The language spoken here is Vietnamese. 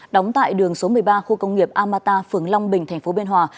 đóng tại đường số một mươi ba khu công nghiệp amata phường long bình thành phố biên hòa